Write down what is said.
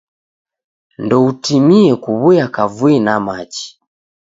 Ndoutimie kuw'uya kavui na machi.